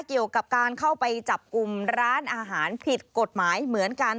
เกี่ยวกับการเข้าไปจับกลุ่มร้านอาหารผิดกฎหมายเหมือนกัน